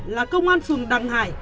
là công an phường đằng hải